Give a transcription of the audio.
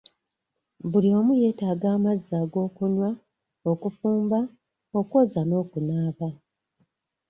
"Buli omu yeetaaga amazzi ag'okunywa, okufumba, okwoza n'okunaaba.